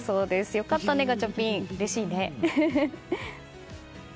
良かったね、ガチャピンうれしいね。